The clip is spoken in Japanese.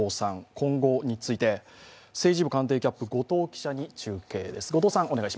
今後について、政治部担当キャップ後藤記者です。